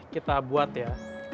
kita buat ya